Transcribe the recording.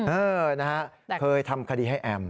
เออนะฮะเคยทำคดีให้แอม